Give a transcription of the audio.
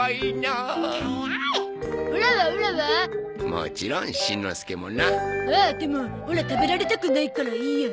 ああでもオラ食べられたくないからいいや。